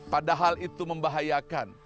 padahal itu membahayakan